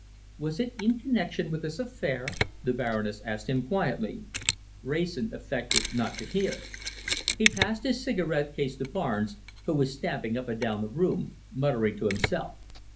"Was it in connection with this affair?" the Baroness asked him quietly. Wrayson affected not to hear. He passed his cigarette case to Barnes, who was stamping up and down the room, muttering to himself.